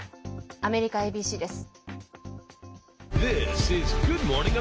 アメリカＡＢＣです。